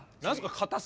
硬さ？